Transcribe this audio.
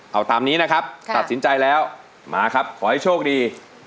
เอาตามนี้นะครับตัดสินใจแล้วมาครับขอให้โชคดี